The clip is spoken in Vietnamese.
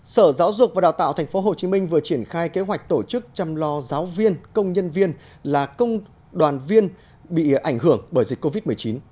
sở giáo dục và đào tạo tp hcm vừa triển khai kế hoạch tổ chức chăm lo giáo viên công nhân viên là công đoàn viên bị ảnh hưởng bởi dịch covid một mươi chín